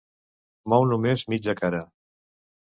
Mou només mitja cara.